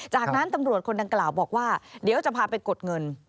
จากนั้นตำรวจคนดังกล่าวบอกว่าเดี๋ยวจะพาไปกดเงิน